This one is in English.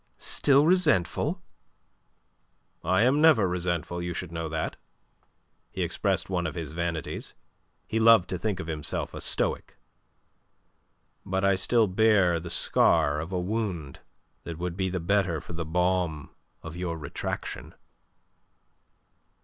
Still resentful?" "I am never resentful. You should know that." He expressed one of his vanities. He loved to think himself a Stoic. "But I still bear the scar of a wound that would be the better for the balm of your retraction."